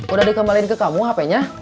udah dikembaliin ke kamu hp nya